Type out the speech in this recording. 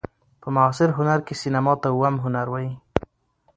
په معاصر هنر کښي سېنما ته اووم هنر وايي.